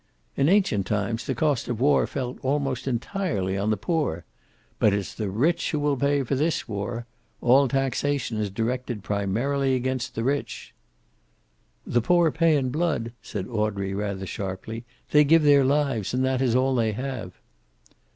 "In ancient times the cost of war fell almost entirely on the poor. But it's the rich who will pay for this war. All taxation is directed primarily against the rich." "The poor pay in blood," said Audrey, rather sharply. "They give their lives, and that is all they have."